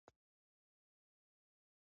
طبیعت ماتم کوي.